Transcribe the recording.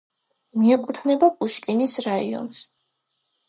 მიეკუთვნება პუშკინის რაიონს.